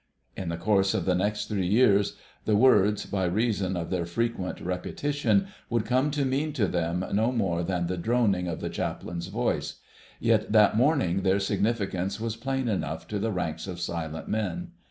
In the course of the next three years, the words, by reason of their frequent repetition, would come to mean to them no more than the droning of the Chaplain's voice; yet that morning their significance was plain enough to the ranks of silent men.